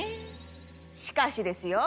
しかしですよ